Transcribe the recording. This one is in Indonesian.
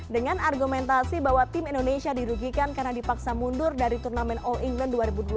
dengan argumentasi bahwa tim indonesia dirugikan karena dipaksa mundur dari turnamen all england dua ribu dua puluh